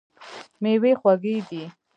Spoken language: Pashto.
میوې خوږې دي.